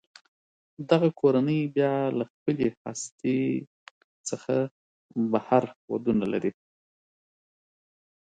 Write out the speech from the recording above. دغه کورنۍ بیا له خپلې هستې څخه بهر ودونه لري.